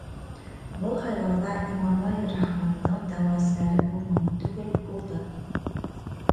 Был һайлауҙа Эмомали Рахмондың дәғүәселәре булманы түгел, булды.